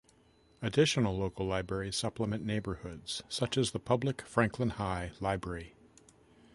Additional local libraries supplement neighborhoods, such as the public Franklin High Library.